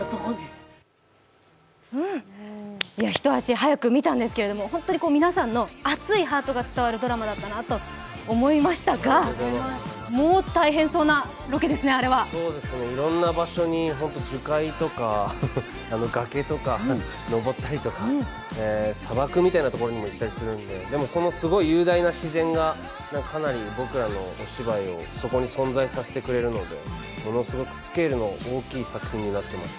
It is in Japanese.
一足早く見たんですけど本当に皆さんの熱いハートが伝わるドラマだと思いましたがもう大変そうなロケですね、あれはいろんな場所に樹海とか、崖とか登ったりとか砂漠みたいなところにも行ったりするんででもそのすごい雄大な自然がかなり僕らのお芝居をそこに存在させてくれるのでものすごくスケールの大きい作品になっています。